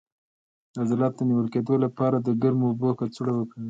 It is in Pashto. د عضلاتو د نیول کیدو لپاره د ګرمو اوبو کڅوړه وکاروئ